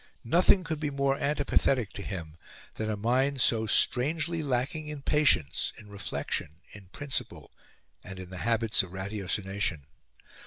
Nothing could be more antipathetic to him than a mind so strangely lacking in patience, in reflection, in principle, and in the habits of ratiocination.